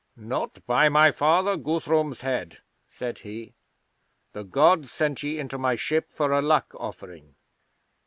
'"Not by my father Guthrum's head," said he. "The Gods sent ye into my ship for a luck offering."